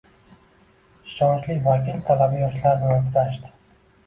Ishonchli vakil talaba-yoshlar bilan uchrashdi